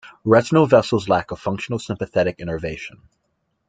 Retinal vessels lack a functional sympathetic innervation.